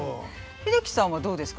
英樹さんはどうですか？